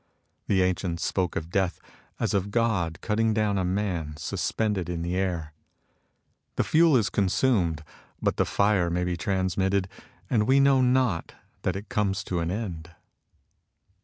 The ancients spoke of death as of God cutting down a man suspended in the air. The fuel is consumed, but the fire may be transmitted, and we know not that it comes to an end.